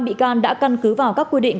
năm bị can đã căn cứ vào các quy định